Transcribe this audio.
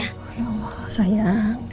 ya allah sayang